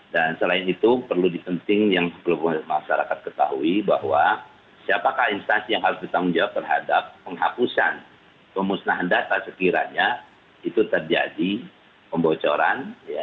dan selain itu perlu disenting yang masyarakat ketahui bahwa siapakah instansi yang harus ditanggung jawab terhadap penghapusan pemusnahan data sekiranya itu terjadi pembocoran